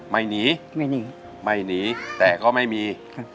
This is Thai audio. ไม่หนีไม่หนีแต่ก็ไม่มี